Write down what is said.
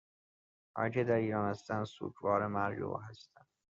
آنهایی که در ایران هستند سوگوار مرگ او هستند